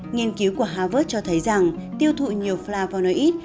nghiên cứu của harvard cho thấy rằng tiêu thụ nhiều flavonoid